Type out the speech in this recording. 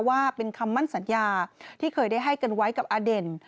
ว่าเป็นคำมั่นสัญญาที่เคยได้ให้กันไว้กับอเด่น